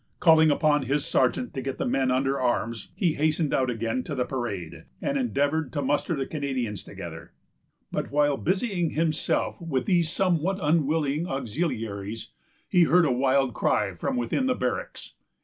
Calling upon his sergeant to get the men under arms, he hastened out again to the parade, and endeavored to muster the Canadians together; but while busying himself with these somewhat unwilling auxiliaries, he heard a wild cry from within the barracks.